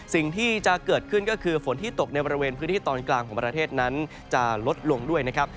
สิ่งที่จะเกิดขึ้นก็คือฝนที่ตกในบริเวณพื้นที่ตอนกลางของประเทศนั้นจะลดลงด้วยนะครับ